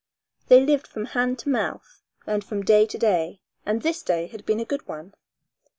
They lived from hand to mouth, and from day to day, and this day had been a good one.